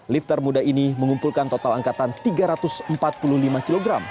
lifter muda ini mengumpulkan total angkatan tiga ratus empat puluh lima kg